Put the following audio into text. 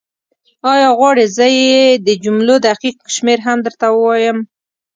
ایا غواړې زه یې د جملو دقیق شمېر هم درته ووایم؟